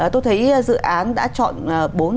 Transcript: tôi thấy dự án đã chọn